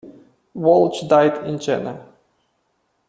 Walch died in Jena.